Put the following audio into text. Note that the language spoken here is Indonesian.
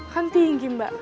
kan tinggi mbak